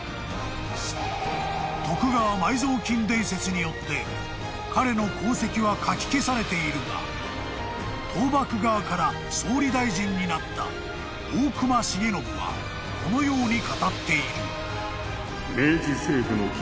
［徳川埋蔵金伝説によって彼の功績はかき消されているが倒幕側から総理大臣になった大隈重信はこのように語っている］